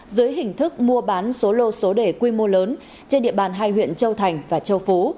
dưới hình thức mua bán số lô số đề quy mô lớn trên địa bàn hai huyện châu thành và châu phú